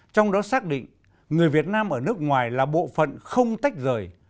trong đó xác định người việt nam ở nước ngoài là bộ phận không tách rời